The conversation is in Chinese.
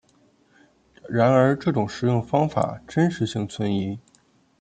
然而这种食用方法真实性存疑。